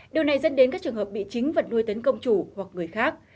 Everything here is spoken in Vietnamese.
điều này dẫn đến các trường hợp bị chính vật nuôi tấn công chủ hoặc người khác